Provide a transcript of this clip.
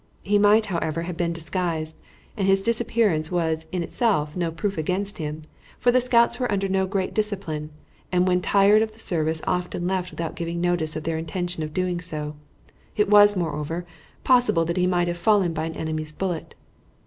He might, however, have been disguised, and his disappearance was in itself no proof against him, for the scouts were under no great discipline, and when tired of the service often left without giving notice of their intention of doing so. It was, moreover, possible that he might have fallen by an enemy's bullet.